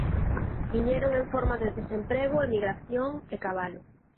Viñeron en forma de desemprego, emigración e cabalo.